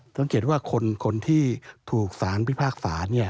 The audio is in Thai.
ต้องเขียนว่าคนที่ถูกสารพิพากษา